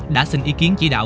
đã xin ý kiến chỉ đạo